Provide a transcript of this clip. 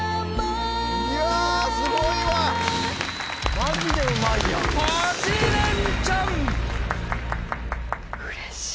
マジでうまいやん。